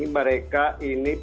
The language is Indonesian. mereka ini berpengalaman